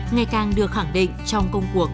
ngày càng được khẳng định trong công cuộc